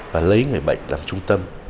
và lấy người bệnh làm trung tâm